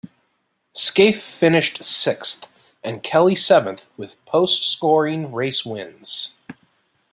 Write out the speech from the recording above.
Skaife finished sixth and Kelly seventh with post scoring race wins.